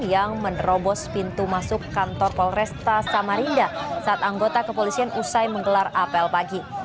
yang menerobos pintu masuk kantor polresta samarinda saat anggota kepolisian usai menggelar apel pagi